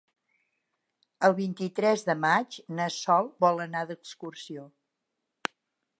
El vint-i-tres de maig na Sol vol anar d'excursió.